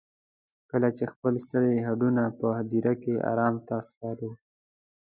کله چې خپل ستړي هډونه په هديره کې ارام ته سپارو.